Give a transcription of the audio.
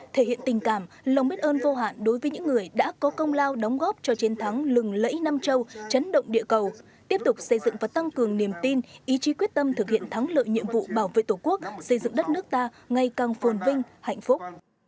thể hiện tình cảm lòng biết ơn vô hạn đối với những người đã có công lao đóng góp cho chiến thắng lừng lẫy nam châu chấn động địa cầu tiếp tục xây dựng và tăng cường niềm tin ý chí quyết tâm thực hiện thắng lợi nhiệm vụ bảo vệ tổ quốc xây dựng đất nước ta ngày càng phồn vinh hạnh phúc